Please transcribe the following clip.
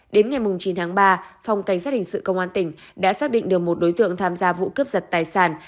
đến ngày chín tháng ba phòng cảnh sát hình sự công an tỉnh đã xác định được một đối tượng tham gia vụ cướp giật tài sản